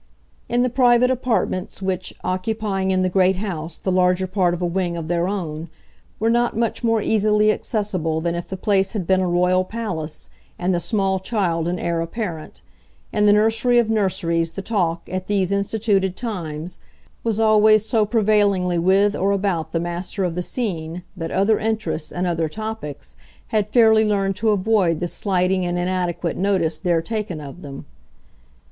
In the private apartments, which, occupying in the great house the larger part of a wing of their own, were not much more easily accessible than if the place had been a royal palace and the small child an heir apparent in the nursery of nurseries the talk, at these instituted times, was always so prevailingly with or about the master of the scene that other interests and other topics had fairly learned to avoid the slighting and inadequate notice there taken of them.